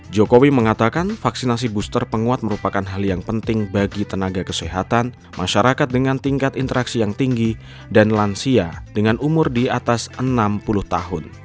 jokowi mengatakan vaksinasi booster penguat merupakan hal yang penting bagi tenaga kesehatan masyarakat dengan tingkat interaksi yang tinggi dan lansia dengan umur di atas enam puluh tahun